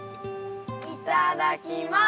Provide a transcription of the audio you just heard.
いただきます！